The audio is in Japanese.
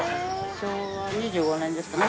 昭和２５年ですかね